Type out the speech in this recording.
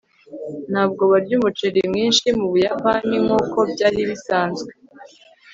ntabwo barya umuceri mwinshi mubuyapani nkuko byari bisanzwe